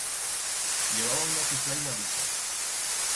Llevaba una chuflaina d'ixas.